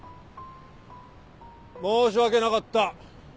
申し訳なかった！